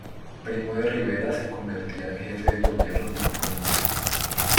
Primo de Rivera se convertía en jefe de Gobierno y único ministro.